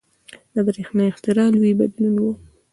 • د برېښنا اختراع لوی بدلون و.